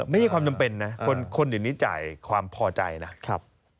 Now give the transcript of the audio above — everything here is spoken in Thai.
ไม่ใช่ความจำเป็นนะคนเดี๋ยวนี้จ่ายความพอใจนะครับ